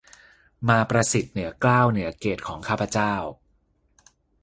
มาประสิทธิเหนือเกล้าเหนือเกศของข้าพเจ้า